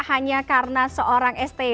hanya karena seorang sti